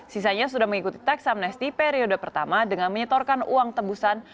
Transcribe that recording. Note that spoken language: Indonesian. sisanya sudah mengikuti teks amnesti periode pertama dengan menyetorkan uang tebusan